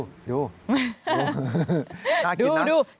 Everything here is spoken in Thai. น่ากินนัก